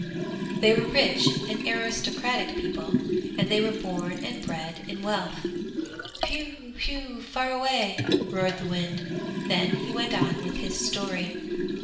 'They were rich and aristocratic people, and they were born and bred in wealth! Whew! whew! fare away!' roared the wind, then he went on with his story.